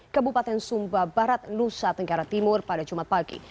kebupaten sumba barat nusa tenggara timur pada jumat pagi